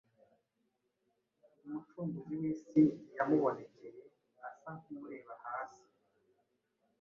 Umucunguzi w’isi yamubonekeye asa nk’ureba hasi